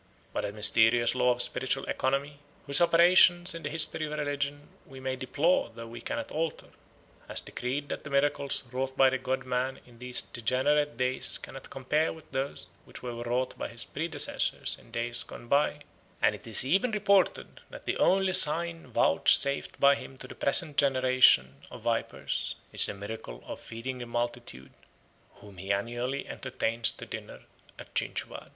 But a mysterious law of spiritual economy, whose operation in the history of religion we may deplore though we cannot alter, has decreed that the miracles wrought by the god man in these degenerate days cannot compare with those which were wrought by his predecessors in days gone by; and it is even reported that the only sign vouchsafed by him to the present generation of vipers is the miracle of feeding the multitude whom he annually entertains to dinner at Chinchvad.